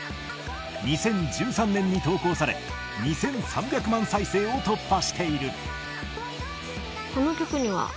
２０１３年に投稿され２，３００万再生を突破している。